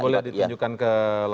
boleh ditunjukkan ke layar